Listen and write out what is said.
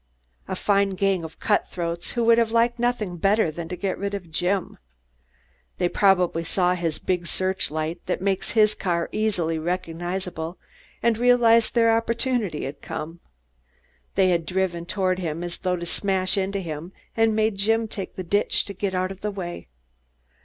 A fine gang of cutthroats who would have liked nothing better than to get rid of Jim. They probably saw his big search light, that makes his car easily recognizable, and realized their opportunity had come. They had driven toward him as though to smash into him and made Jim take the ditch to get out of the way.